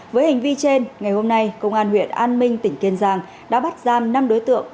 với hành vi trên ngày hôm nay công an huyện an minh tỉnh kiên giang đã bắt giam năm đối tượng